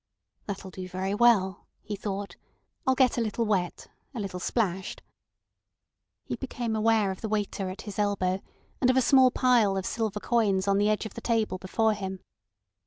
"That'll do very well," he thought. "I'll get a little wet, a little splashed—" He became aware of the waiter at his elbow and of a small pile of silver coins on the edge of the table before him.